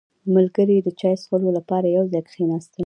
• ملګري د چای څښلو لپاره یو ځای کښېناستل.